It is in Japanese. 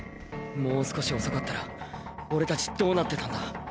もう少し遅かったら俺たちどうなってたんだ？